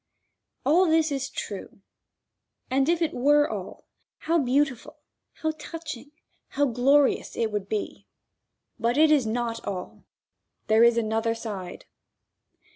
All this is true, and if it were all, how beautiful, how touching, how glorious it would be. But it is not all. There is another side.